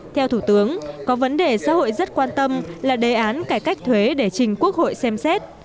theo thủ tướng có vấn đề xã hội rất quan tâm là đề án cải cách thuế để trình quốc hội xem xét